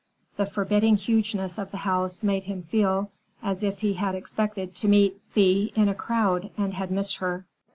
The forbidding hugeness of the house made him feel as if he had expected to meet Thea in a crowd and had missed her.